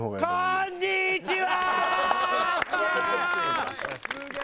こんにちは！